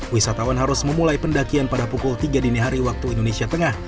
wisatawan harus memulai pendakian pada pukul tiga dini hari waktu indonesia tengah